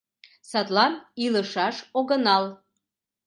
Садлан илышаш огынал.